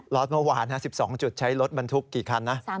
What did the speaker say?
ล้อนเมื่อวาน๑๒จุดใช้รถบันทุกข์กี่คันนะ